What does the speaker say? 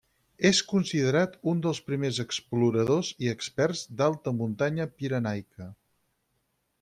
És considerat un els primers exploradors i experts d'alta muntanya pirenaica.